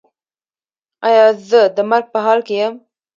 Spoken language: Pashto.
ایا زه د مرګ په حال کې یم؟